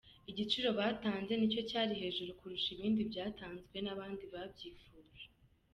Igiciro batanze nicyo cyari hejuru kurusha ibindi byatanzwe n’abandi babyifuje.